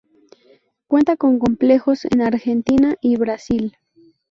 Cuenta con complejos en Argentina y Brasil.